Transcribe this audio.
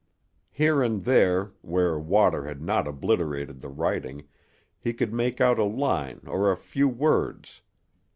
Here and there, where water had not obliterated the writing, he could make out a line or a few words.